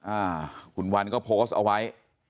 อ่าคุณวันก็โพสต์เอาไว้